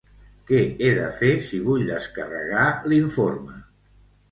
Què he de fer si vull descarregar l'informe?